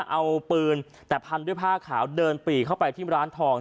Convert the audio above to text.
เอาปืนแต่พันด้วยผ้าขาวเดินปี่เข้าไปที่ร้านทอง